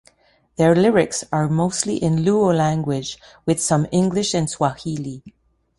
Their lyrics are mostly in Luo language, with some English and Swahili.